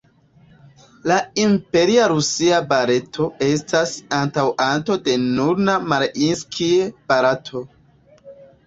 La "Imperia Rusia Baleto" estas antaŭanto de nuna "Mariinskij-Baleto".